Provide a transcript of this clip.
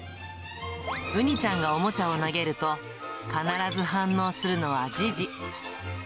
うにちゃんがおもちゃを投げると、必ず反応するのはジジ。